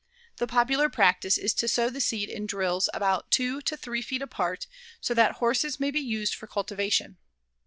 The popular practice is to sow the seed in drills about 2 to 3 feet apart so that horses may be used for cultivation.